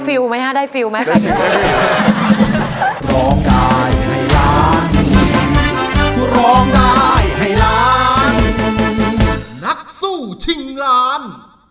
ฟิวไหมครับได้ฟิวไหมครับ